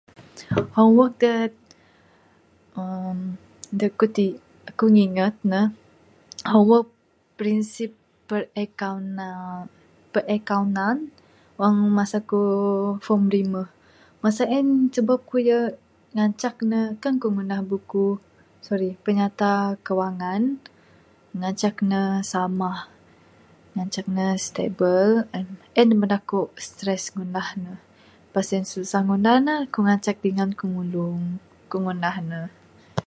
Homework de uhh de ku tik, kuk ngingat ne, homework prinsip perakaunan, perakaunan wong masa ku form rimeh, masa en sebab ku ayo ngancak ne, kan ku ngundah buku, sorry, pinyata kewangan, ngancak ne samah, ngancak ne stable, en, en de bedak kuk stress ku ngundah ne, pas sien susah ngundah ne, kuk ngencak dingan eku nulung kuk ngundah ne.